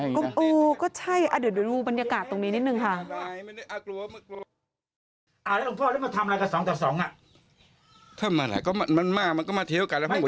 เออก็ใช่เดี๋ยวดูบรรยากาศตรงนี้นิดนึงค่ะ